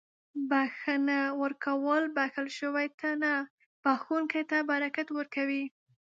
• بښنه ورکول بښل شوي ته نه، بښونکي ته برکت ورکوي.